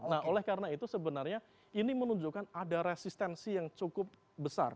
nah oleh karena itu sebenarnya ini menunjukkan ada resistensi yang cukup besar